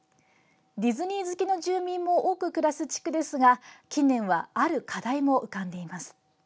ディズニー好きの住民も多く暮らす地区ですが近年は、ある課題も浮かんでいます。